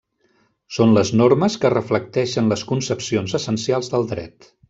Són les normes que reflecteixen les concepcions essencials del dret.